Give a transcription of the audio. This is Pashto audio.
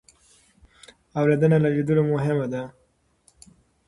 اورېدنه له لیدلو مهمه ده.